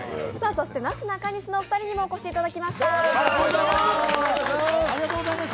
そしてなすなかにしのお二人にもお越しいただきました。